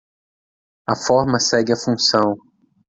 A forma segue a função.